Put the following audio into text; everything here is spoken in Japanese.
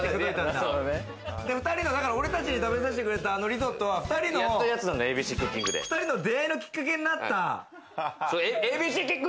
２人が俺たちに食べさせてくれたり、あのリゾットは２人の出会いのきっかけになった。